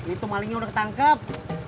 itu malingnya udah tangkap